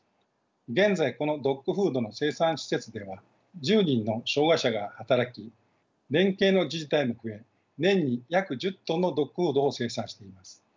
現在このドッグフードの生産施設では１０人の障害者が働き連携の自治体も増え年に約１０トンのドッグフードを生産しています。